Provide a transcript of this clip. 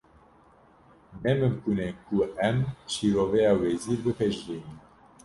Ne mimkûn e ku em şîroveya wezîr bipejirînin